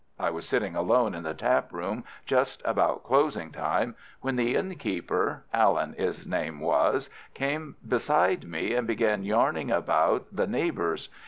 I was sitting alone in the tap room just about closing time, when the innkeeper—Allen his name was—came beside me and began yarning about the neighbours.